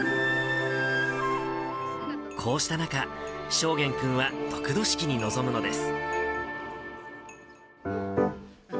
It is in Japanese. こうした中、昇彦君は得度式に臨むのです。